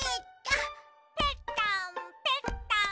ぺったんぺったん。